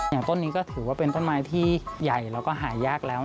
ต้นนี้ก็ถือว่าเป็นต้นไม้ที่ใหญ่แล้วก็หายากแล้ว